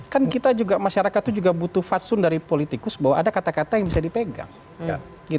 kan kita juga masyarakat itu juga butuh fatsun dari politikus bahwa ada kata kata yang bisa dipegang